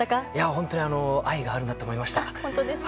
本当に愛があるなと思いました。